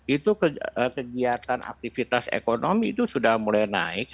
itu kegiatan aktivitas ekonomi itu sudah mulai naik